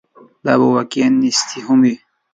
دا به واقعاً نیستي هم وي.